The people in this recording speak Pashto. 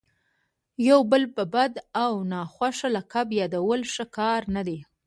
یو بل په بد او ناخوښه لقب یادول ښه کار نه دئ.